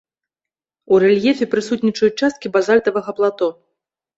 У рэльефе прысутнічаюць часткі базальтавага плато.